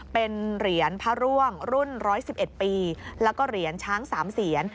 เป็นเหรียญพระร่วงรุ่นร้อยสิบเอ็ดปีแล้วก็เหรียญช้างสามเศียร